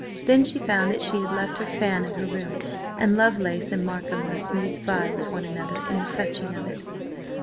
Then she found that she had left her fan in her room, and Lovelace and Markham must needs vie with one another in the fetching of it.